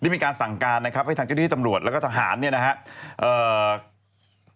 มีการสั่งการให้ทางเจ้าหน้าที่ตำรวจและทางทหาร